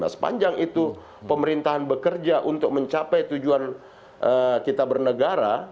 nah sepanjang itu pemerintahan bekerja untuk mencapai tujuan kita bernegara